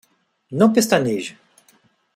Não pestaneje